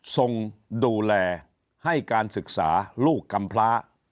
ทรงดูแลให้การศึกษาลูกกำพลา